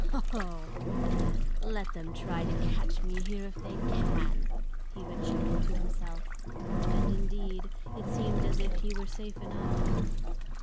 "Ho, ho! Let them try to catch me here, if they can!" he would chuckle to himself. And indeed, it seemed as if he were safe enough.